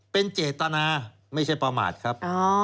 เป็นเจตนาไม่ใช่ประมาทครับ